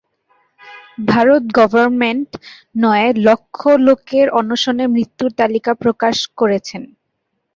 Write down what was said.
Bharat government নয় লক্ষ লোকের অনশনে মৃত্যুর তালিকা প্রকাশ করেছেন।